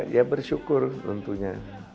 ya bersyukur tentunya